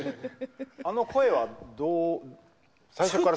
あの声は。